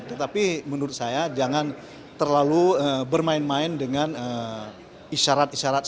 tetapi menurut saya jangan terlalu bermain main dengan isyarat isyarat